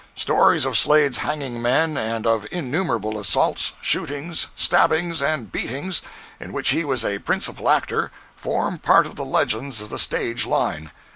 Stories of Slade's hanging men, and of innumerable assaults, shootings, stabbings and beatings, in which he was a principal actor, form part of the legends of the stage line.